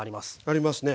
ありますね。